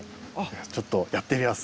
ちょっとやってみます。